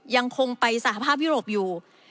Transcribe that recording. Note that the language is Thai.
ยังคงไปสหภาพยุโรปอยู่